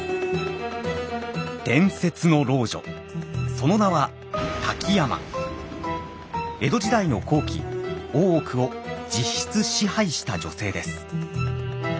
その名は江戸時代の後期大奥を実質支配した女性です。